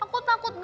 aku takut gelap